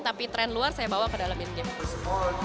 tapi trend luar saya bawa ke dalam in game